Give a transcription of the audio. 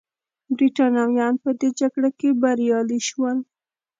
برېټانویان په دې جګړه کې بریالي شول.